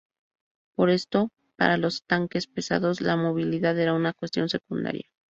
Por esto para los tanques pesados la movilidad era una cuestión secundaria.